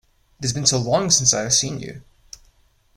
It has been so long since I have seen you!